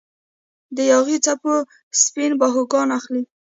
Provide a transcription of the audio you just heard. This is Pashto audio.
د یاغي څپو سپین باهوګان اخلي